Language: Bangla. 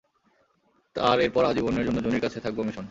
আর এরপর আজীবনের জন্য জুনির কাছে থাকবো মিশন!